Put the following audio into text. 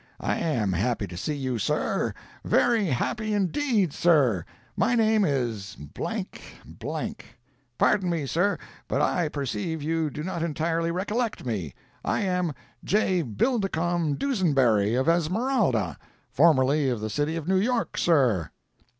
I am happy to see you, sir—very happy indeed, sir. My name is __________. Pardon me, sir, but I perceive you do not entirely recollect me—I am J. Bidlecome Dusenberry, of Esmeralda, formerly of the city of New York, sir."